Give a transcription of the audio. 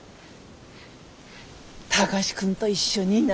貴司君と一緒にな。